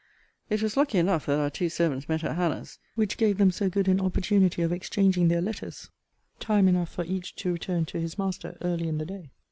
It was lucky enough that our two servants met at Hannah's,* which gave them so good an opportunity of exchanging their letters time enough for each to return to his master early in the day.